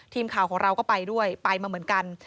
ทีมข่าวของเราก็ไปด้วยไปมาเหมือนกัน